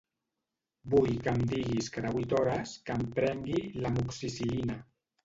Vull que em diguis cada vuit hores que em prengui l'Amoxicil·lina.